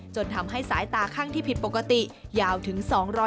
จนทำให้สายตาข้างที่ผิดปกติยาวถึง๒๐๐